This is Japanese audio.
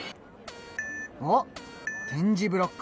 おっ点字ブロック。